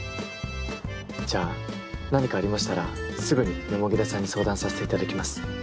じゃあ何かありましたらすぐに田さんに相談させていただきます。